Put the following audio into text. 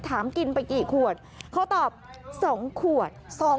ถามกินไปกี่ขวดเขาตอบ๒ขวด